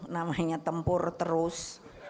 namanya tempur terus